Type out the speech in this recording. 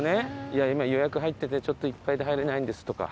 「いや今予約入っててちょっといっぱいで入れないんです」とか。